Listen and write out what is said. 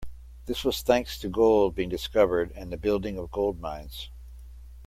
This was thanks to gold being discovered and the building of gold mines.